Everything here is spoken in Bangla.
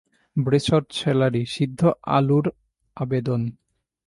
ব্রেসড সেলারি, সিদ্ধ আলুও আনবেন।